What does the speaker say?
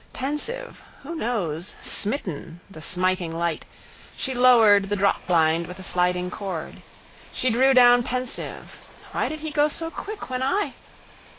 Pensive (who knows?), smitten (the smiting light), she lowered the dropblind with a sliding cord. She drew down pensive (why did he go so quick when I?)